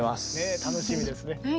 楽しみですね。